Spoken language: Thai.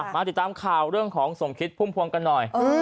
มาติดตามข่าวเรื่องของสมคิดพุ่มพวงกันหน่อย